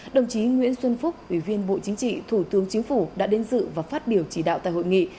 đồng chí nguyễn xuân phúc ủy viên bộ chính trị thủ tướng chính phủ đã đến dự và phát biểu chỉ đạo tại hội nghị